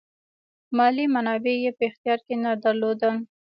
مالي منابع یې په اختیار کې نه درلودل.